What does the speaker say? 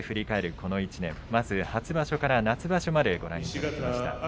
この１年まず、初場所から夏場所までご覧いただきました。